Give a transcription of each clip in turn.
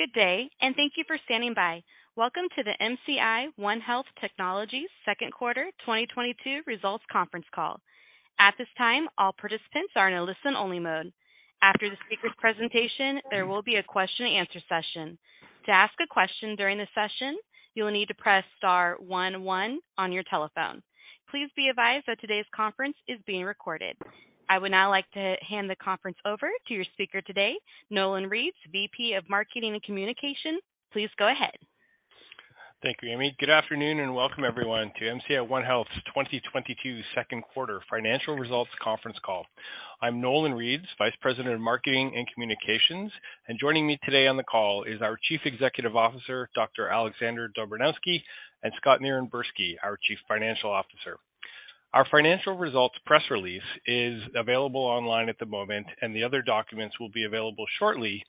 Good day, and thank you for standing by. Welcome to the MCI Onehealth Technologies second quarter 2022 results conference call. At this time, all participants are in a listen only mode. After the speaker presentation, there will be a question and answer session. To ask a question during the session, you will need to press star one one on your telephone. Please be advised that today's conference is being recorded. I would now like to hand the conference over to your speaker today, Nolan Reeds, Vice President of Marketing and Communication. Please go ahead. Thank you, Amy. Good afternoon, and welcome everyone to MCI Onehealth's 2022 second quarter financial results conference call. I'm Nolan Reeds, Vice President of Marketing and Communications. Joining me today on the call is our Chief Executive Officer, Dr. Alexander Dobranowski, and Scott Nirenberski, our Chief Financial Officer. Our financial results press release is available online at the moment, and the other documents will be available shortly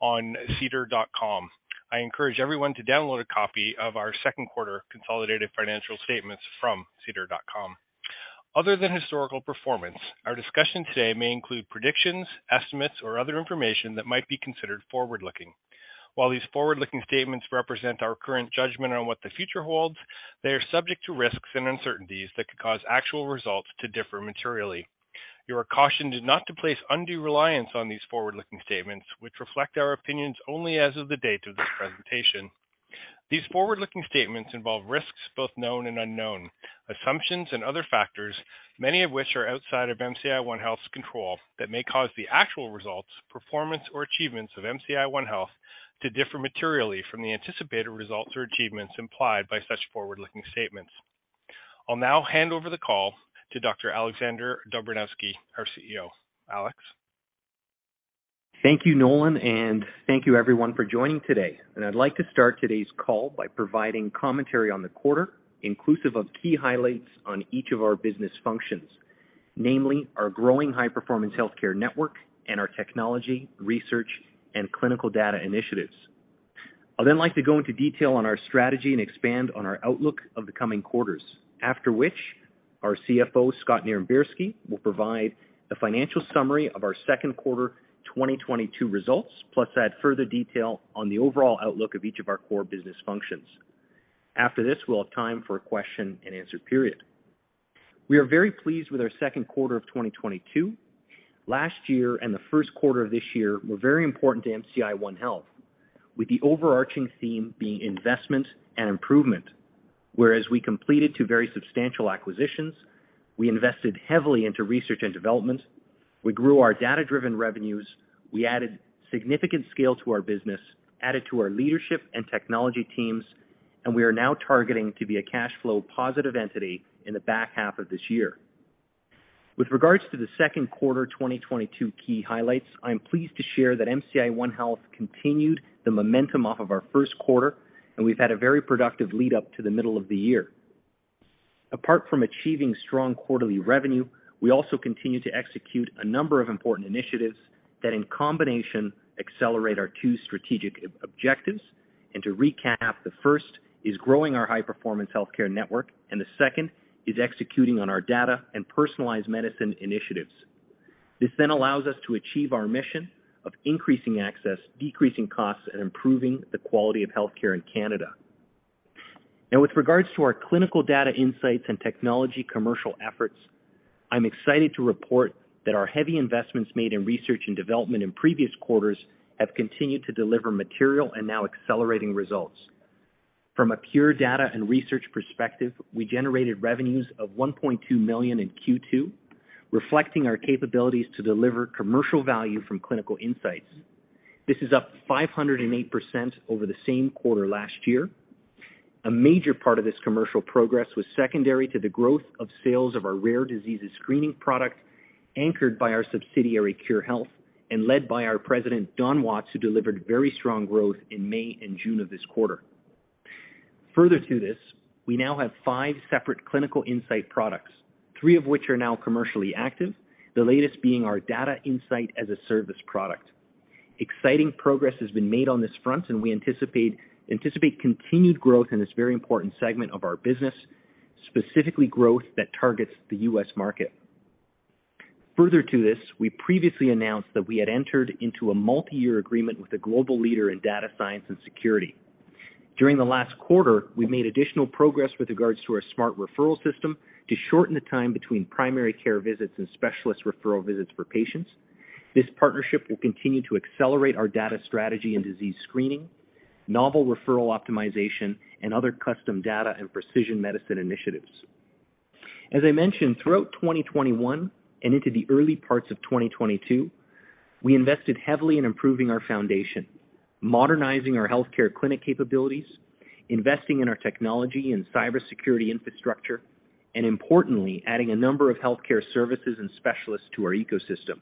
on SEDAR.com. I encourage everyone to download a copy of our second quarter consolidated financial statements from SEDAR.com. Other than historical performance, our discussion today may include predictions, estimates, or other information that might be considered forward-looking. While these forward-looking statements represent our current judgment on what the future holds, they are subject to risks and uncertainties that could cause actual results to differ materially. You are cautioned not to place undue reliance on these forward-looking statements which reflect our opinions only as of the date of this presentation. These forward-looking statements involve risks both known and unknown, assumptions and other factors, many of which are outside of MCI Onehealth's control that may cause the actual results, performance, or achievements of MCI Onehealth to differ materially from the anticipated results or achievements implied by such forward-looking statements. I'll now hand over the call to Dr. Alexander Dobranowski, our CEO. Alexander. Thank you, Nolan, and thank you everyone for joining today. I'd like to start today's call by providing commentary on the quarter, inclusive of key highlights on each of our business functions. Namely, our growing high-performance healthcare network and our technology, research, and clinical data initiatives. I'd then like to go into detail on our strategy and expand on our outlook of the coming quarters. After which, our Chief Financial O, Scott Nirenberski, will provide a financial summary of our second quarter 2022 results, plus add further detail on the overall outlook of each of our core business functions. After this, we'll have time for a question and answer period. We are very pleased with our second quarter of 2022. Last year and the first quarter of this year were very important to MCI OneHealth, with the overarching theme being investment and improvement. Whereas we completed two very substantial acquisitions, we invested heavily into research and development, we grew our data-driven revenues, we added significant scale to our business, added to our leadership and technology teams, and we are now targeting to be a cash flow positive entity in the back half of this year. With regards to the second quarter 2022 key highlights, I'm pleased to share that MCI Onehealth continued the momentum off of our first quarter, and we've had a very productive lead-up to the middle of the year. Apart from achieving strong quarterly revenue, we also continue to execute a number of important initiatives that in combination accelerate our two strategic objectives. To recap, the first is growing our high performance healthcare network, and the second is executing on our data and personalized medicine initiatives. This allows us to achieve our mission of increasing access, decreasing costs, and improving the quality of healthcare in Canada. Now with regards to our clinical data insights and technology commercial efforts, I'm excited to report that our heavy investments made in research and development in previous quarters have continued to deliver material and now accelerating results. From a pure data and research perspective, we generated revenues of 1.2 million in Q2, reflecting our capabilities to deliver commercial value from clinical insights. This is up 508% over the same quarter last year. A major part of this commercial progress was secondary to the growth of sales of our rare diseases screening product, anchored by our subsidiary Khure Health and led by our President, Don Watts, who delivered very strong growth in May and June of this quarter. Further to this, we now have five separate clinical insight products, three of which are now commercially active, the latest being our data insight as a service product. Exciting progress has been made on this front, and we anticipate continued growth in this very important segment of our business, specifically growth that targets the US market. Further to this, we previously announced that we had entered into a multi-year agreement with a global leader in data science and security. During the last quarter, we made additional progress with regards to our smart referral system to shorten the time between primary care visits and specialist referral visits for patients. This partnership will continue to accelerate our data strategy and disease screening, novel referral optimization, and other custom data and precision medicine initiatives. As I mentioned, throughout 2021 and into the early parts of 2022, we invested heavily in improving our foundation, modernizing our healthcare clinic capabilities, investing in our technology and cybersecurity infrastructure, and importantly, adding a number of healthcare services and specialists to our ecosystem,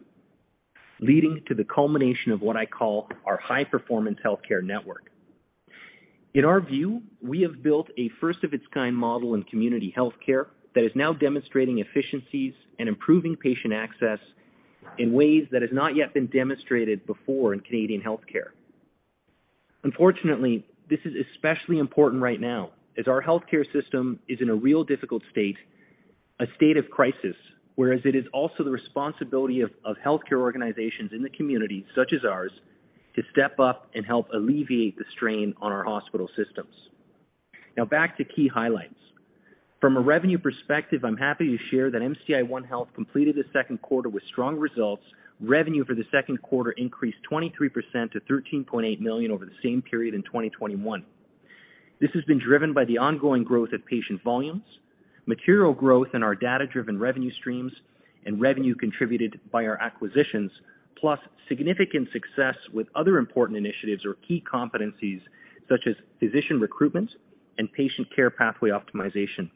leading to the culmination of what I call our high performance healthcare network. In our view, we have built a first of its kind model in community healthcare that is now demonstrating efficiencies and improving patient access in ways that has not yet been demonstrated before in Canadian healthcare. Unfortunately, this is especially important right now, as our healthcare system is in a real difficult state, a state of crisis, whereas it is also the responsibility of healthcare organizations in the community, such as ours, to step up and help alleviate the strain on our hospital systems. Now back to key highlights. From a revenue perspective, I'm happy to share that MCI Onehealth completed the second quarter with strong results. Revenue for the second quarter increased 23% to 13.8 million over the same period in 2021. This has been driven by the ongoing growth of patient volumes, material growth in our data-driven revenue streams, and revenue contributed by our acquisitions, plus significant success with other important initiatives or key competencies such as physician recruitment and patient care pathway optimization.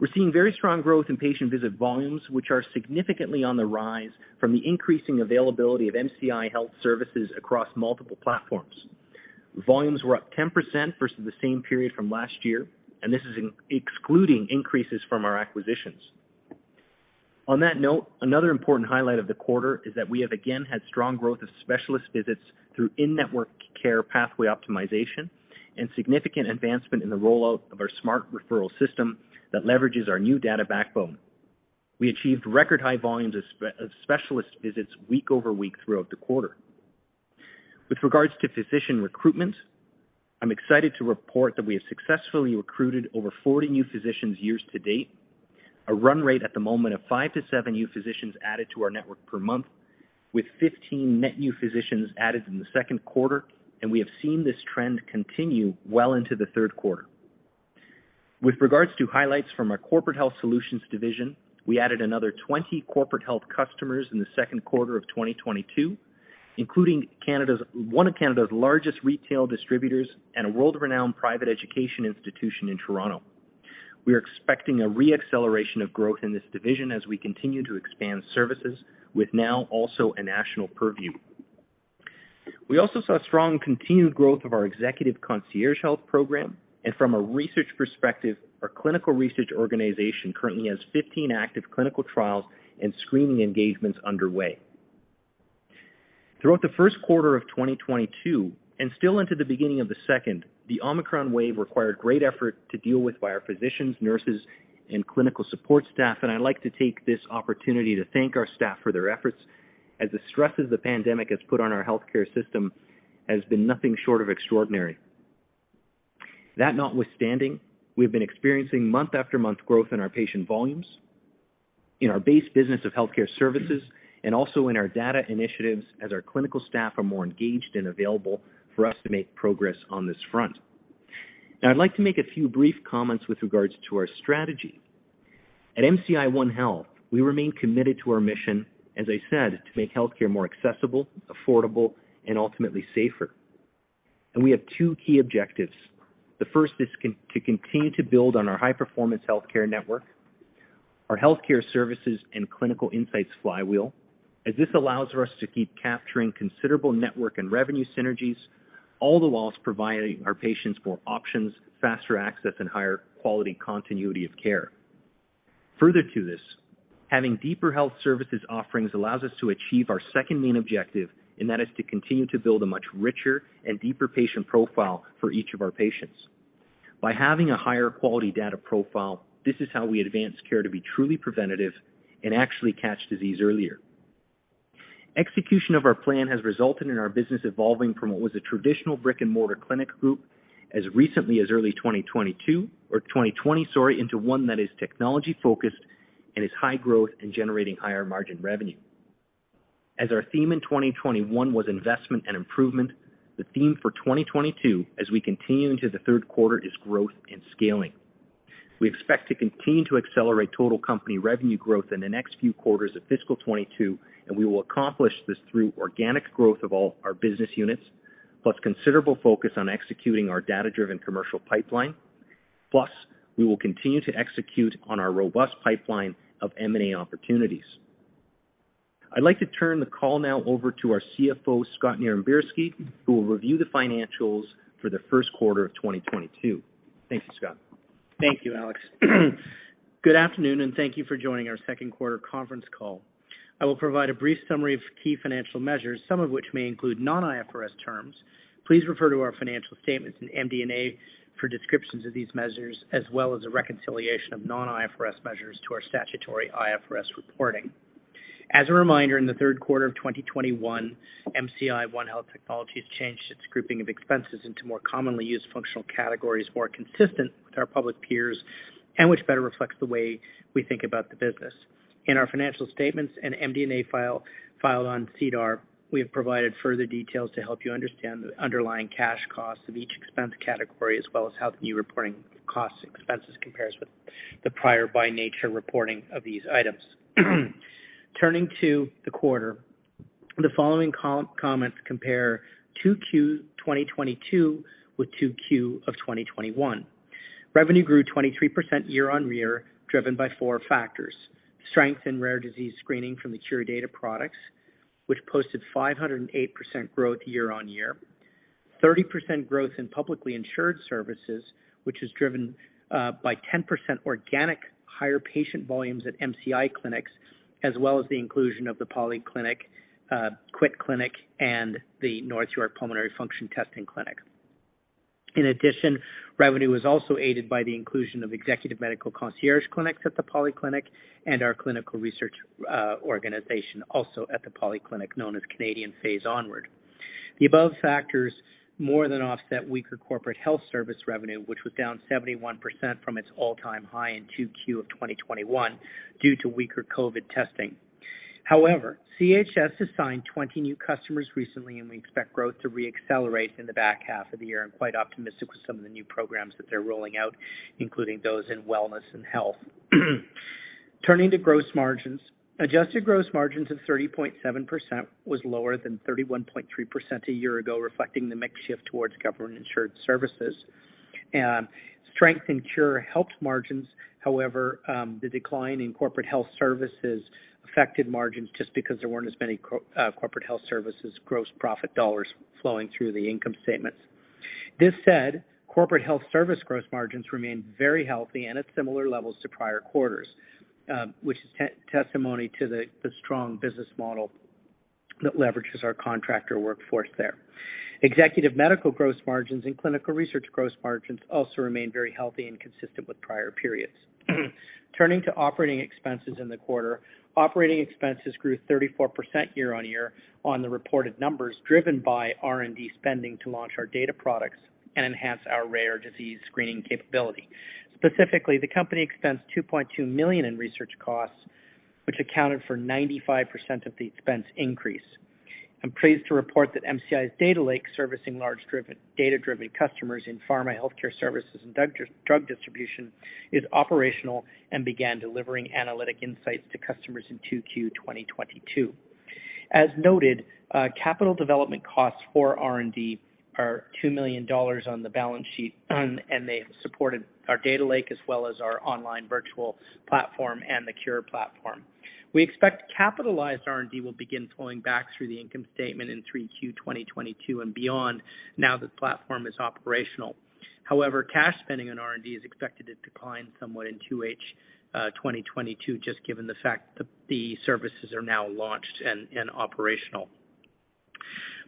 We're seeing very strong growth in patient visit volumes, which are significantly on the rise from the increasing availability of MCI Onehealth services across multiple platforms. Volumes were up 10% versus the same period from last year, and this is excluding increases from our acquisitions. On that note, another important highlight of the quarter is that we have again had strong growth of specialist visits through in-network care pathway optimization and significant advancement in the rollout of our smart referral system that leverages our new data backbone. We achieved record high volumes of specialist visits week over week throughout the quarter. With regards to physician recruitment, I'm excited to report that we have successfully recruited over 40 new physicians year to date, a run rate at the moment of five - seven new physicians added to our network per month, with 15 net new physicians added in the second quarter, and we have seen this trend continue well into the third quarter. With regards to highlights from our corporate health solutions division, we added another 20 corporate health customers in the second quarter of 2022, including one of Canada's largest retail distributors and a world-renowned private education institution in Toronto. We are expecting a re-acceleration of growth in this division as we continue to expand services with now also a national purview. We also saw strong continued growth of our executive concierge health program. From a research perspective, our clinical research organization currently has 15 active clinical trials and screening engagements underway. Throughout the first quarter of 2022, and still into the beginning of the second, the Omicron wave required great effort to deal with by our physicians, nurses, and clinical support staff. I'd like to take this opportunity to thank our staff for their efforts as the stresses the pandemic has put on our healthcare system has been nothing short of extraordinary. That notwithstanding, we have been experiencing month after month growth in our patient volumes, in our base business of healthcare services, and also in our data initiatives as our clinical staff are more engaged and available for us to make progress on this front. Now, I'd like to make a few brief comments with regards to our strategy. At MCI Onehealth, we remain committed to our mission, as I said, to make healthcare more accessible, affordable, and ultimately safer. We have two key objectives. The first is to continue to build on our high-performance healthcare network, our healthcare services and clinical insights flywheel, as this allows for us to keep capturing considerable network and revenue synergies, all the while providing our patients more options, faster access, and higher quality continuity of care. Further to this, having deeper health services offerings allows us to achieve our second main objective, and that is to continue to build a much richer and deeper patient profile for each of our patients. By having a higher quality data profile, this is how we advance care to be truly preventive and actually catch disease earlier. Execution of our plan has resulted in our business evolving from what was a traditional brick-and-mortar clinic group as recently as early 2022 or 2020, sorry, into one that is technology-focused and is high growth and generating higher margin revenue. As our theme in 2021 was investment and improvement, the theme for 2022, as we continue into the third quarter, is growth and scaling. We expect to continue to accelerate total company revenue growth in the next few quarters of fiscal 2022, and we will accomplish this through organic growth of all our business units, plus considerable focus on executing our data-driven commercial pipeline. Plus, we will continue to execute on our robust pipeline of M&A opportunities. I'd like to turn the call now over to our Chief Financial Officer, Scott Nirenberski, who will review the financials for the first quarter of 2022. Thank you, Scott. Thank you, Alexander. Good afternoon, and thank you for joining our second quarter conference call. I will provide a brief summary of key financial measures, some of which may include non-IFRS terms. Please refer to our financial statements in MD&A for descriptions of these measures, as well as a reconciliation of non-IFRS measures to our statutory IFRS reporting. As a reminder, in the third quarter of 2021, MCI Onehealth Technologies changed its grouping of expenses into more commonly used functional categories, more consistent with our public peers, and which better reflects the way we think about the business. In our financial statements and MD&A file filed on SEDAR, we have provided further details to help you understand the underlying cash costs of each expense category, as well as how the new reporting costs and expenses compares with the prior by nature reporting of these items. Turning to the quarter, the following comments compare 2Q 2022 with 2Q of 2021. Revenue grew 23% year-over-year, driven by four factors. Strength in rare disease screening from the Khure products, which posted 508% growth year-over-year. 30% growth in publicly insured services, which is driven by 10% organic higher patient volumes at MCI clinics, as well as the inclusion of the Polyclinic, Quit Clinic, and the North York Pulmonary Function Testing Clinic. In addition, revenue was also aided by the inclusion of executive medical concierge clinics at the Polyclinic and our clinical research organization also at the Polyclinic known as Canadian Phase Onward. The above factors more than offset weaker corporate health service revenue, which was down 71% from its all-time high in 2Q of 2021 due to weaker COVID testing. However, CHS has signed 20 new customers recently, and we expect growth to re-accelerate in the back half of the year. I'm quite optimistic with some of the new programs that they're rolling out, including those in wellness and health. Turning to gross margins. Adjusted gross margins of 30.7% was lower than 31.3% a year ago, reflecting the mix shift towards government-insured services. Strength in Khure helped margins. However, the decline in corporate health services affected margins just because there weren't as many corporate health services gross profit dollars flowing through the income statements. That said, corporate health service gross margins remain very healthy and at similar levels to prior quarters, which is testimony to the strong business model that leverages our contractor workforce there. Executive medical gross margins and clinical research gross margins also remain very healthy and consistent with prior periods. Turning to operating expenses in the quarter. Operating expenses grew 34% year-on-year on the reported numbers, driven by R&D spending to launch our data products and enhance our rare disease screening capability. Specifically, the company expensed 2.2 million in research costs, which accounted for 95% of the expense increase. I'm pleased to report that MCI's data lake servicing large data-driven customers in pharma, healthcare services and drug distribution is operational and began delivering analytic insights to customers in 2Q 2022. As noted, capital development costs for R&D are 2 million dollars on the balance sheet and they have supported our data lake as well as our online virtual platform and the Khure platform. We expect capitalized R&D will begin flowing back through the income statement in Q3 2022 and beyond now that the platform is operational. However, cash spending on R&D is expected to decline somewhat in 2H 2022, just given the fact that the services are now launched and operational.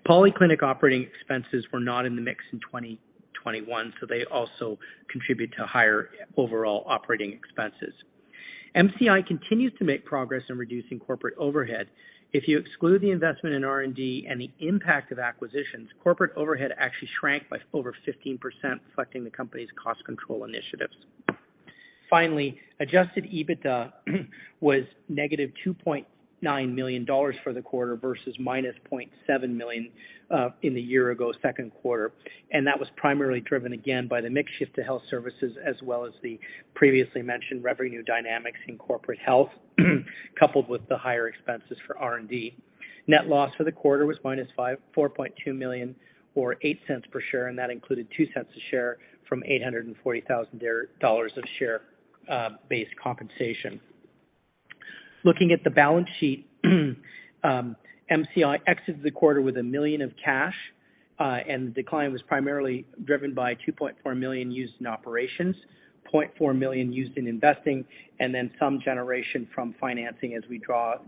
Polyclinic operating expenses were not in the mix in 2021, so they also contribute to higher overall operating expenses. MCI continues to make progress in reducing corporate overhead. If you exclude the investment in R&D and the impact of acquisitions, corporate overhead actually shrank by over 15%, reflecting the company's cost control initiatives. Finally, adjusted EBITDA was negative 2.9 million dollars for the quarter versus minus 0.7 million in the year ago second quarter. That was primarily driven again by the mix shift to health services as well as the previously mentioned revenue dynamics in corporate health coupled with the higher expenses for R&D. Net loss for the quarter was minus 4.2 million or 0.08 per share, and that included 0.02 per share from 840,000 dollars of share-based compensation. Looking at the balance sheet, MCI exits the quarter with 1 million of cash, and the decline was primarily driven by 2.4 million used in operations, 0.4 million used in investing, and then some generation from financing as we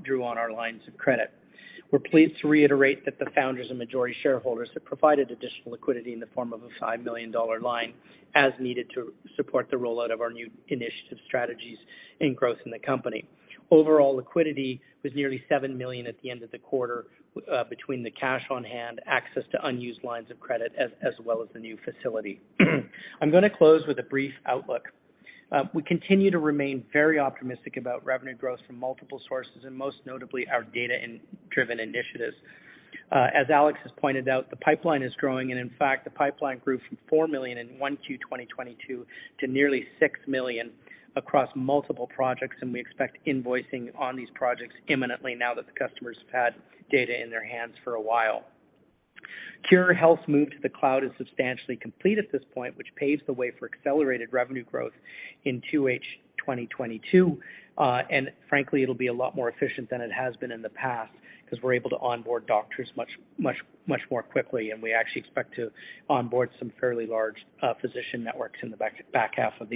drew on our lines of credit. We're pleased to reiterate that the founders and majority shareholders have provided additional liquidity in the form of a 5 million dollar line as needed to support the rollout of our new initiative strategies and growth in the company. Overall liquidity was nearly 7 million at the end of the quarter between the cash on hand, access to unused lines of credit, as well as the new facility. I'm gonna close with a brief outlook. We continue to remain very optimistic about revenue growth from multiple sources and most notably our data-driven initiatives. As Alex has pointed out, the pipeline is growing, and in fact, the pipeline grew from 4 million in 1Q 2022 to nearly 6 million across multiple projects, and we expect invoicing on these projects imminently now that the customers have had data in their hands for a while. Khure Health's move to the cloud is substantially complete at this point, which paves the way for accelerated revenue growth in 2H 2022. Frankly, it'll be a lot more efficient than it has been in the past 'cause we're able to onboard doctors much more quickly, and we actually expect to onboard some fairly large physician networks in the back half of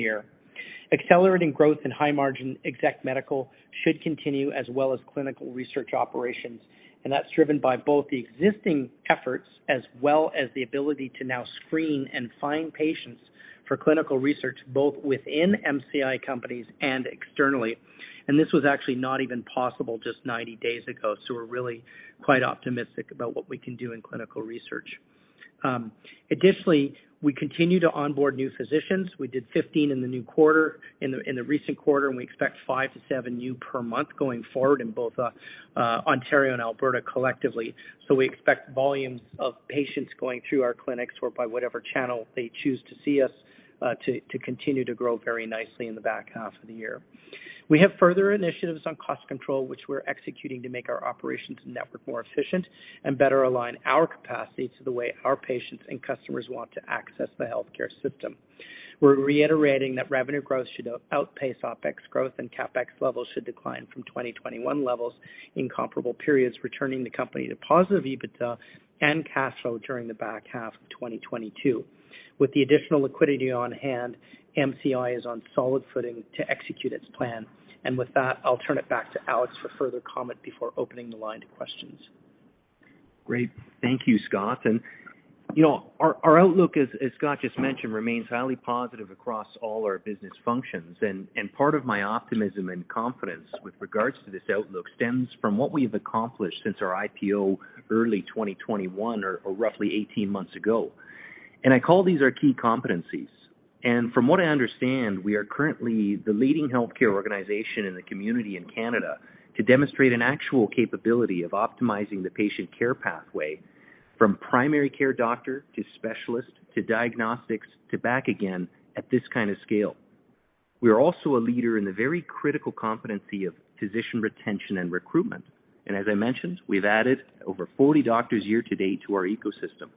the year. Accelerating growth in high-margin exec medical should continue as well as clinical research operations, and that's driven by both the existing efforts as well as the ability to now screen and find patients for clinical research, both within MCI companies and externally. This was actually not even possible just 90 days ago, so we're really quite optimistic about what we can do in clinical research. Additionally, we continue to onboard new physicians. We did 15 in the recent quarter, and we expect five-seven new per month going forward in both Ontario and Alberta collectively. We expect volumes of patients going through our clinics or by whatever channel they choose to see us to continue to grow very nicely in the back half of the year. We have further initiatives on cost control, which we're executing to make our operations network more efficient and better align our capacity to the way our patients and customers want to access the healthcare system. We're reiterating that revenue growth should outpace OpEx growth and CapEx levels should decline from 2021 levels in comparable periods, returning the company to positive EBITDA and cash flow during the back half of 2022. With the additional liquidity on hand, MCI is on solid footing to execute its plan. With that, I'll turn it back to Alexander for further comment before opening the line to questions. Great. Thank you, Scott. You know, our outlook as Scott just mentioned remains highly positive across all our business functions. Part of my optimism and confidence with regards to this outlook stems from what we've accomplished since our IPO early 2021 or roughly 18 months ago. I call these our key competencies. From what I understand, we are currently the leading healthcare organization in the community in Canada to demonstrate an actual capability of optimizing the patient care pathway from primary care doctor to specialist to diagnostics to back again at this kind of scale. We are also a leader in the very critical competency of physician retention and recruitment. As I mentioned, we've added over 40 doctors year to date to our ecosystem.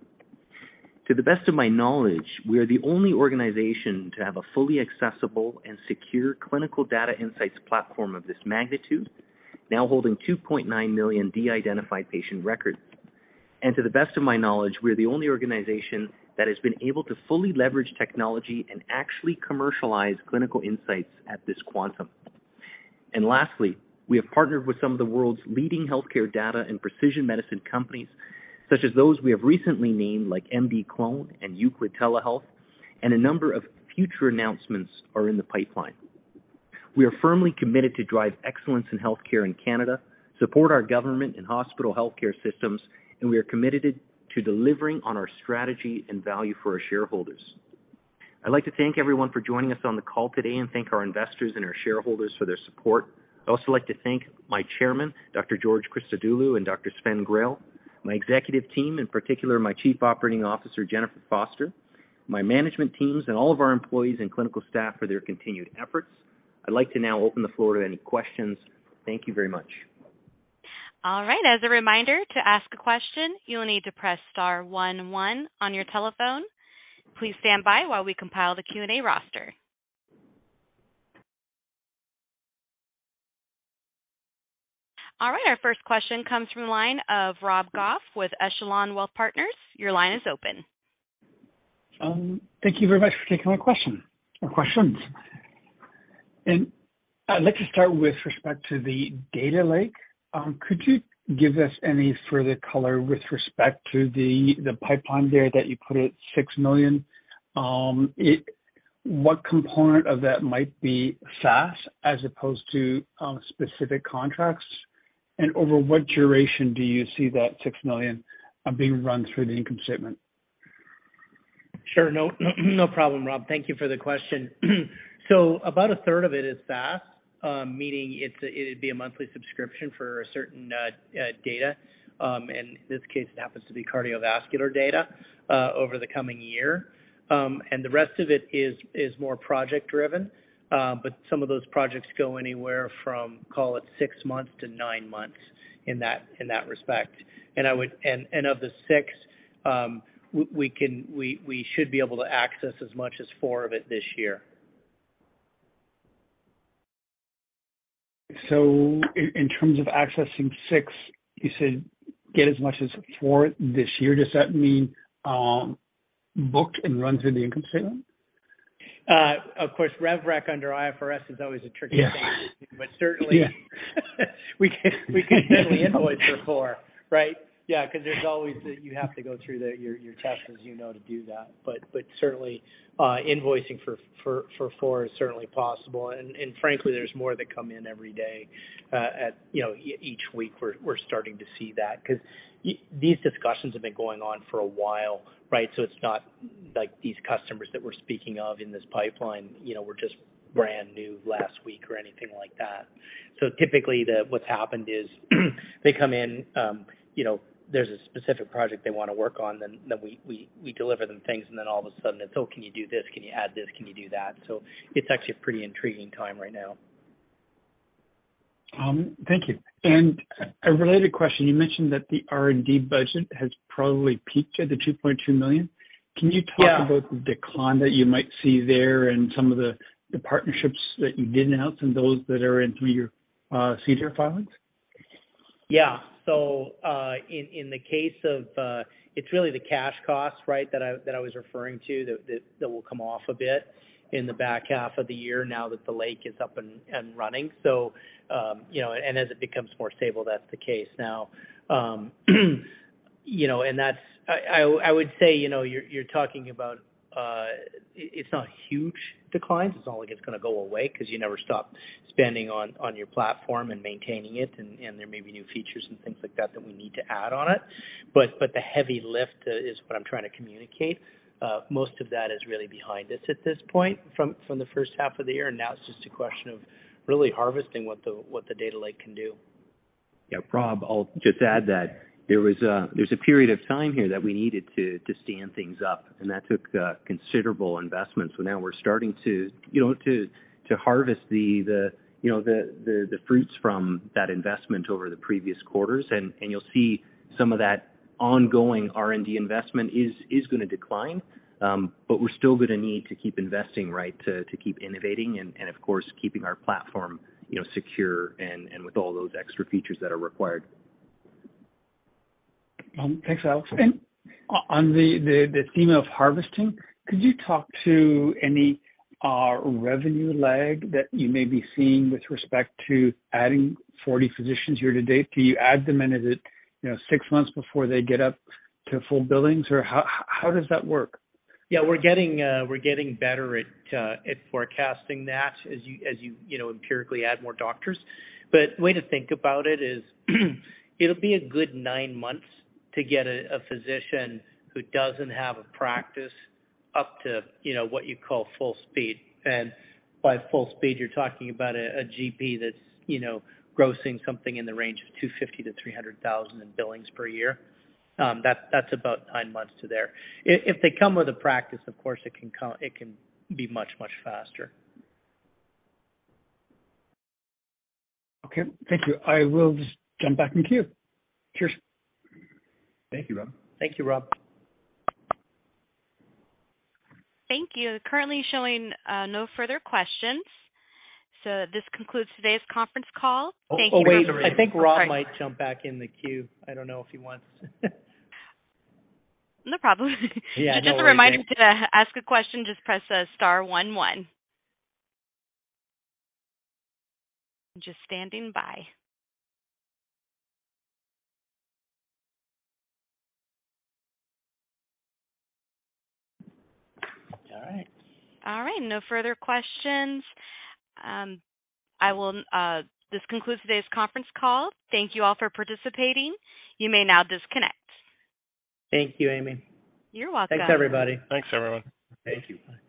To the best of my knowledge, we are the only organization to have a fully accessible and secure clinical data insights platform of this magnitude, now holding 2.9 million de-identified patient records. To the best of my knowledge, we are the only organization that has been able to fully leverage technology and actually commercialize clinical insights at this quantum. We have partnered with some of the world's leading healthcare data and precision medicine companies, such as those we have recently named like MDClone and Euclid Telehealth, and a number of future announcements are in the pipeline. We are firmly committed to drive excellence in healthcare in Canada, support our government and hospital healthcare systems, and we are committed to delivering on our strategy and value for our shareholders. I'd like to thank everyone for joining us on the call today and thank our investors and our shareholders for their support. I'd also like to thank my chairman, Dr. George Christodoulou and Dr. Sven Grail, my executive team, in particular my Chief Operating Officer, Jennifer Foster, my management teams, and all of our employees and clinical staff for their continued efforts. I'd like to now open the floor to any questions. Thank you very much. All right. As a reminder, to ask a question, you'll need to press star one one on your telephone. Please stand by while we compile the Q&A roster. All right, our first question comes from the line of Rob Goff with Echelon Wealth Partners. Your line is open. Thank you very much for taking my question or questions. I'd like to start with respect to the data lake. Could you give us any further color with respect to the pipeline there that you put at 6 million? What component of that might be SaaS as opposed to specific contracts? Over what duration do you see that 6 million being run through the income statement? Sure. No, no problem, Rob. Thank you for the question. About a 1/3 of it is SaaS, meaning it'd be a monthly subscription for certain data, and in this case it happens to be cardiovascular data over the coming year. The rest of it is more project driven. Some of those projects go anywhere from, call it six months to nine months in that respect. Of the six, we should be able to access as much as four of it this year. In terms of accessing SaaS, you said get as much as four this year. Does that mean, book and run through the income statement? Of course, rev rec under IFRS is always a tricky thing. Yeah. Certainly. Yeah. We can certainly invoice for 4, right? Yeah, 'cause there's always, you have to go through your test as you know to do that. Certainly, invoicing for 4 is certainly possible. Frankly, there's more that come in every day. You know, each week we're starting to see that. 'Cause these discussions have been going on for a while, right? It's not like these customers that we're speaking of in this pipeline, you know, were just brand new last week or anything like that. Typically what's happened is they come in, you know, there's a specific project they wanna work on, then we deliver them things and then all of a sudden it's, "Oh, can you do this? Can you add this? Can you do that?" It's actually a pretty intriguing time right now. Thank you. A related question, you mentioned that the R&D budget has probably peaked at 2.2 million. Yeah. Can you talk about the decline that you might see there and some of the partnerships that you didn't announce and those that are in through your SEDAR filings? In the case of, it's really the cash cost, right? That I was referring to that will come off a bit in the back half of the year now that the data lake is up and running. You know, and as it becomes more stable, that's the case now. You know, and that's. I would say, you know, you're talking about, it's not huge declines. It's not like it's gonna go away, 'cause you never stop spending on your platform and maintaining it and there may be new features and things like that that we need to add on it. But the heavy lift is what I'm trying to communicate. Most of that is really behind us at this point from the first half of the year. Now it's just a question of really harvesting what the data lake can do. Yeah, Rob, I'll just add that there was a period of time here that we needed to stand things up, and that took considerable investment. Now we're starting to you know harvest the fruits from that investment over the previous quarters. You'll see some of that ongoing R&D investment is gonna decline. We're still gonna need to keep investing, right, to keep innovating and of course keeping our platform you know secure and with all those extra features that are required. Thanks, Alexander. On the theme of harvesting, could you talk to any revenue lag that you may be seeing with respect to adding 40 physicians year to date? Do you add them in as it, you know, six months before they get up to full billings? Or how does that work? Yeah, we're getting better at forecasting that as you you know empirically add more doctors. Way to think about it is, it'll be a good nine months to get a physician who doesn't have a practice up to you know what you'd call full speed. By full speed, you're talking about a GP that's you know grossing something in the range of 250,000-300,000 in billings per year. That's about nine months to there. If they come with a practice, of course, it can be much much faster. Okay, thank you. I will just jump back in queue. Cheers. Thank you, Rob. Thank you, Rob. Thank you. Currently showing, no further questions. This concludes today's conference call. Thank you. I think Rob might jump back in the queue. I don't know if he wants. No problem. Yeah, no worries. Just a reminder, to ask a question, just press star one one. Just standing by. All right. All right. No further questions. This concludes today's conference call. Thank you all for participating. You may now disconnect. Thank you, Amy. You're welcome. Thanks, everybody. Thanks, everyone. Thank you. Bye.